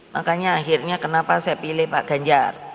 makanya akhirnya kenapa saya pilih pak ganjar